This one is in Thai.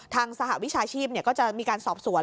สหวิชาชีพก็จะมีการสอบสวน